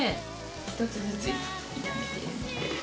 一つずつ炒めていって。